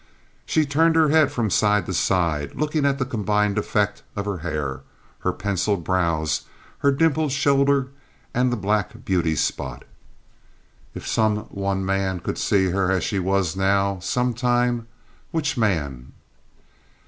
She turned her head from side to side, looking at the combined effect of her hair, her penciled brows, her dimpled shoulder, and the black beauty spot. If some one man could see her as she was now, some time! Which man?